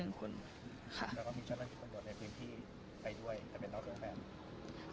แล้วก็มีเจ้าตำรวจในเพลงที่ใกล้ด้วยถ้าเป็นรักตัวแฟน